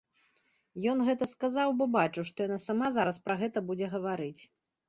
Ён гэта сказаў, бо бачыў, што яна сама зараз пра гэта будзе гаварыць.